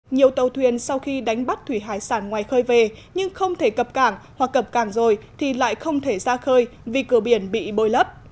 nhiều tàu thuyền sau khi đánh bắt thủy hải sản ngoài khơi về nhưng không thể cập cảng hoặc cập cảng rồi thì lại không thể ra khơi vì cửa biển bị bồi lấp